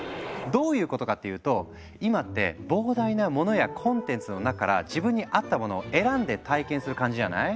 どういうことかっていうと今って膨大なモノやコンテンツの中から自分に合ったものを選んで体験する感じじゃない？